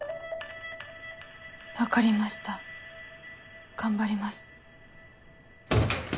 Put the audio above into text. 分かりました頑張ります。